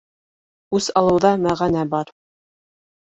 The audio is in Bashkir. Үс алыуҙа мәғәнә бар.